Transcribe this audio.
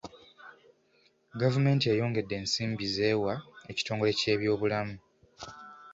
Gavumenti eyongedde ensimbi z'ewa ekitongole ky'ebyobulamu.